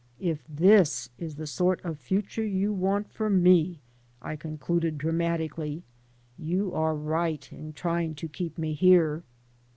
*'If this is the sort of future you want for me," I con cluded, dramatically, "you are right in trying to keep me here."